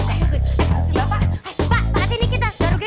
eh bapak kalau enggak kita garukin